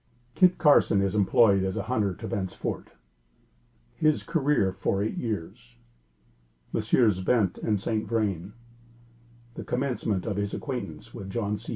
Kit Carson is employed as Hunter to Bent's Fort His Career for Eight Years Messrs. Bent and St. Vrain The commencement of his Acquaintance with John C.